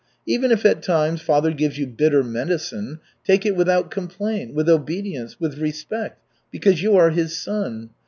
Even if at times father gives you bitter medicine, take it without complaint, with obedience, with respect, because you are his son.